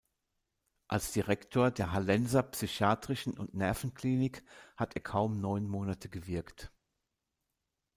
Als Direktor der Hallenser psychiatrischen und Nervenklinik hat er kaum neun Monate gewirkt.